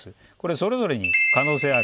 それぞれに可能性ある。